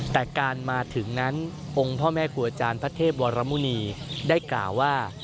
แต่การมาถึงนั้นองค์พ่อแม่ครัวอาจารย์พระเทพวรมุณีได้กล่าวว่า